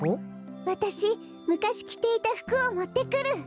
わたしむかしきていたふくをもってくる。